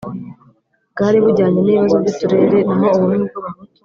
bwari bujyanye n ibibazo by uturere naho ubumwe bw Abahutu